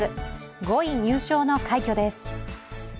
５位入賞の快挙です。